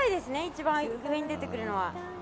一番上に出てくるのは。